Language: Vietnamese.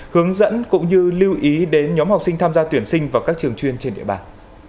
hướng dẫn cũng như lưu ý đến nhóm học sinh tham gia tuyển sinh vào các trường chuyên trên địa bàn